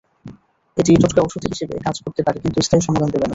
এটি টোটকা ওষুধ হিসেবে কাজ করতে পারে, কিন্তু স্থায়ী সমাধান দেবে না।